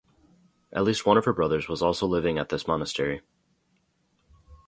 At least one of her brothers was also living at this monastery.